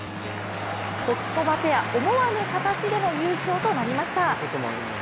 ホキコバペア、思わぬ形での優勝となりました。